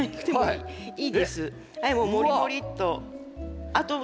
はい。